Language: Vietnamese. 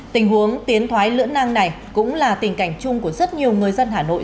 tình huống tiến thoái lưỡng nang này cũng là tình cảnh chung của rất nhiều người dân hà nội